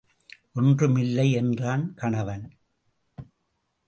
ஒன்றும் இல்லை என்றான் கணவன்.